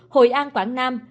hội an quảng nam